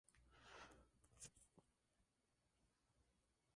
Y divulga las bondades de los vinos uruguayos en congresos internacionales.